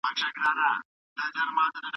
انسان تر کومه وخته تعلیم ته اړتیا لري؟